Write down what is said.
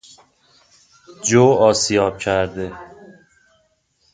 جو آسیاب کرده